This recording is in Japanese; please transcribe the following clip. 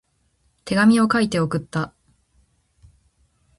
手紙を書いて送った。